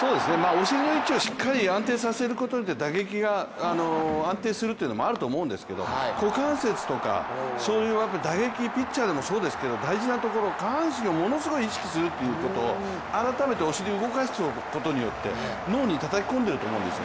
お尻の位置をしっかり安定させることで打撃が安定するというのもあると思うんですけど股関節とか、打撃ピッチャーでもそうですけど大事なところ、下半身をものすごく意識するということ改めてお尻を動かしておくことによって脳にたたき込んでるんだと思うんです。